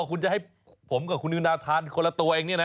คุณจะให้ผมกับคุณนิวนาทานคนละตัวเองเนี่ยนะ